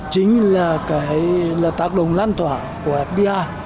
chính là tác động lan tỏa của fdi